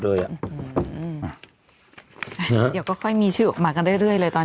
เลยอ่ะเดี๋ยวก็ค่อยมีชื่อออกมากันเรื่อยเรื่อยเลยตอนนี้